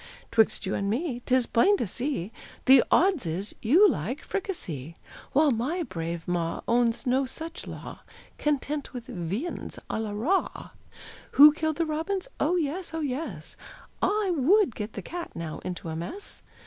'Twixt you and me, 'Tis plain to see, The odds is, you like fricassee, While my brave maw Owns no such law, Content with viands a la raw. "Who killed the robins? Oh, yes! oh, yes! I would get the cat now into a mess!